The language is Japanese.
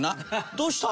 どうした？」